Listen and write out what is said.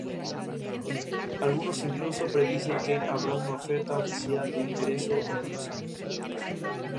La crítica alemana la describe como una serie entretenida, aunque con sus fallos.